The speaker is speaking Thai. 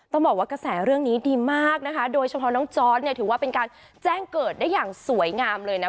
ต้องบอกว่ากระแสเรื่องนี้ดีมากนะคะโดยเฉพาะน้องจอร์ดเนี่ยถือว่าเป็นการแจ้งเกิดได้อย่างสวยงามเลยนะ